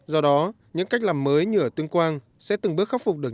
do đó những cách làm mới như ở tương quang sẽ từng bước khắc phục được